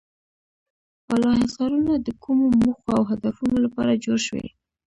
بالا حصارونه د کومو موخو او هدفونو لپاره جوړ شوي.